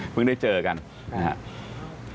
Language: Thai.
เพิ่งได้เจอกันนะฮะ